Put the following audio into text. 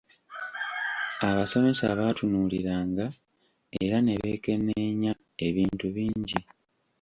Abasomesa baatunuuliranga era ne beekenneenya ebintu bingi.